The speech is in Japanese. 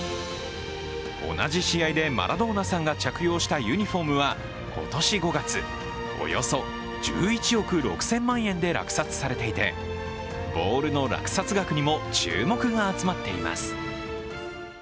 同じ試合でマラドーナさんが着用したユニフォームは今年５月、およそ１１億６０００万円で落札されていてボールの落札額にも注目が集まっています。